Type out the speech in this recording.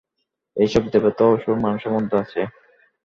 এ-সব দেবতা ও অসুর মানুষের মধ্যে আছে।